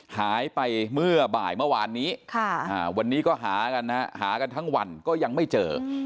หายไปเมื่อบ่ายเมื่อวานนี้วันนี้ก็หากันนะหากันทั้งวันก็ยังไม่เจอ